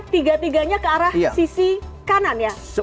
tiga tiganya ke arah sisi kanan ya